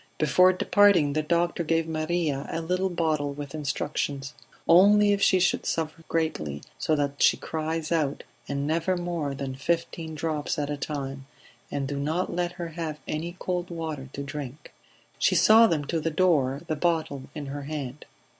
Before departing the doctor gave Maria a little bottle with instructions. "Only if she should suffer greatly, so that she cries out, and never more than fifteen drops at a time. And do not let her have any cold water to drink." She saw them to the door, the bottle in her hand.